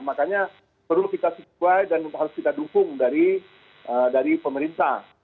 makanya perlu kita sesuai dan harus kita dukung dari pemerintah